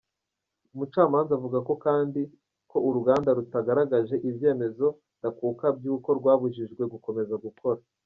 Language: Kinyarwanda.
Umucamanza avuga kandi ko uruganda rutagaragaje ibyemezo ndakuka by'uko rwabujijwe gukomeza gukora .